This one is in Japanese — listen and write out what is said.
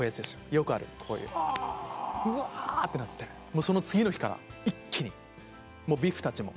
よくあるこういううわってなってもうその次の日から一気にもうビフたちも。